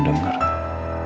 tanpa harus rena dengar